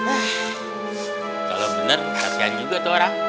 eh kalau bener kasihan juga tuh orang